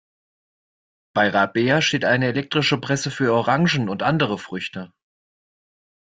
Bei Rabea steht eine elektrische Presse für Orangen und andere Früchte.